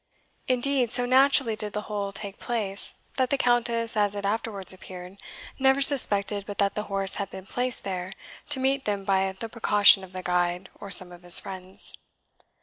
Indeed, so naturally did the whole take place, that the Countess, as it afterwards appeared, never suspected but that the horse had been placed there to meet them by the precaution of the guide or some of his friends.